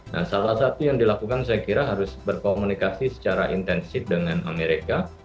nah salah satu yang dilakukan saya kira harus berkomunikasi secara intensif dengan amerika